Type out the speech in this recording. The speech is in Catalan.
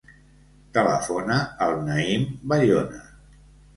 Telefona al Naïm Bayona.